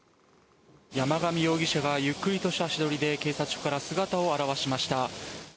山上容疑者がゆっくりとした足取りで警察署から姿を現しました。